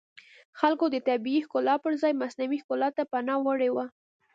خلکو د طبیعي ښکلا پرځای مصنوعي ښکلا ته پناه وړې وه